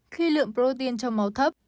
khi lượng protein trong máu thấp